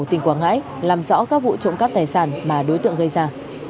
tỉnh quảng ngãi làm rõ các vụ trộm cắp tài sản mà đối tượng gây ra